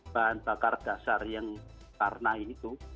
bahan bakar dasar yang karena itu